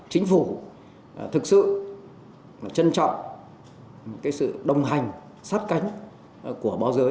chính phủ thực sự trân trọng sự đồng hành sát cánh của báo giới